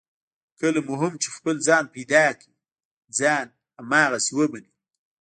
کله مو هم چې خپل ځان پیدا کړ، ځان هماغسې ومنئ.